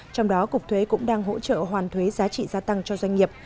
trong đó cục thuế cũng đang hỗ trợ hoàn thuế giá trị gia tăng cho doanh nghiệp